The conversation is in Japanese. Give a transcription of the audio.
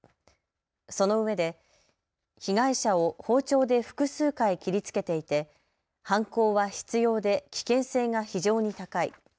そのうえで被害者を包丁で複数回切りつけていて犯行は執ようで危険性が非常に高い。